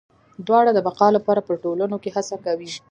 دواړه د بقا لپاره په ټولنو کې هڅه کوي.